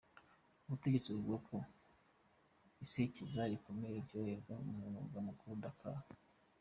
Ubutegetsi buvuga ko isekeza rikomeye ryakorewe ku mugwa mukuru, Dhaka.